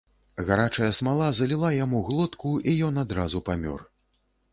Гарачая смала заліла яму глотку, і ён адразу памёр.